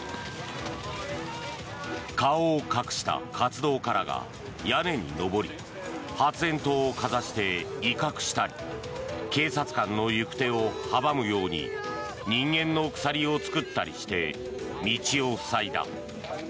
顔を隠した活動家らが屋根に上り発煙筒をかざして威嚇したり警察官の行く手を阻むように人間の鎖を作ったりして道を塞いだ。